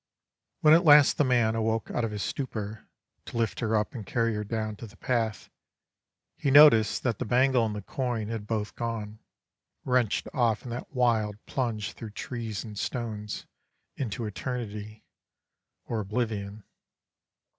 "When at last the man awoke out of his stupor, to lift her up and carry her down to the path, he noticed that the bangle and the coin had both gone, wrenched off in that wild plunge through trees and stones into eternity or oblivion.